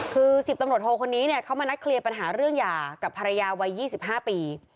คือ๑๐ตำรวจโทคนนี้เนี่ยเขามานัดเคลียร์ปัญหาเรื่องหย่ากับภรรยาวัย๒๕ปี